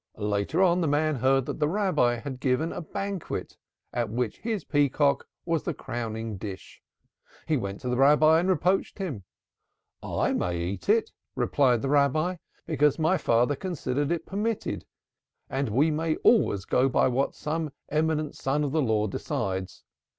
Later on the man heard that the Rabbi had given a banquet at which his peacock was the crowning dish. He went to his Rabbi and reproached him. 'I may eat it,' replied the Rabbi, 'because my father considers it permitted and we may always go by what some eminent Son of the Law decides.